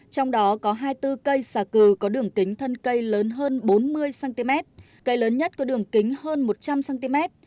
trong đó có hai mươi bốn cây xà cừ có đường kính thân cây lớn hơn bốn mươi cm cây lớn nhất có đường kính hơn một trăm linh cm